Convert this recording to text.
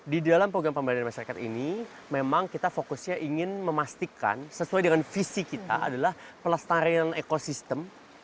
di dalam program pembelajaran masyarakat ini memang kita fokusnya ingin memastikan sesuai dengan visi kita adalah pelestarian ekosistem